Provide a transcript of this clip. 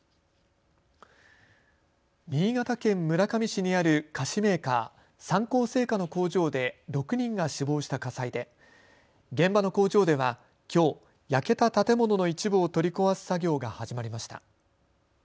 新潟県村上市にある菓子メーカー、三幸製菓の工場で６人が死亡した火災で現場の工場ではきょう、焼けた建物の一部を取り壊す作業が始まりました。